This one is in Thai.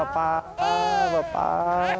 ป๊าป๊า